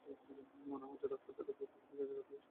মনে হচ্ছে রাস্তা ধরে বিপরীতে দিক থেকে গাড়ি এসে ধাক্কা দেবে।